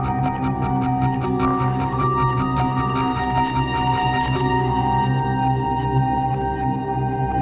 ก็มีใครหายหรือเปล่าที่เราได้ประกาศไปว่าที่จะเจอวันนี้